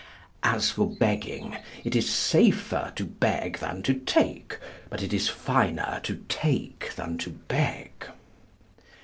As for begging, it is safer to beg than to take, but it is finer to take than to beg.